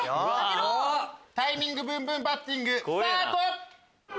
タイミングブンブンバッティングスタート！